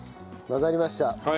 混ざりました。